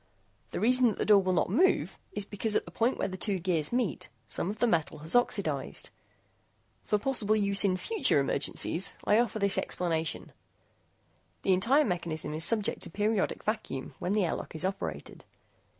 The reason that the door will not move is because at the point where the two gears meet, some of the metal has oxidized. For possible use in future emergencies, I offer this explanation. The entire mechanism is subject to periodic vacuum, when the airlock door is operated.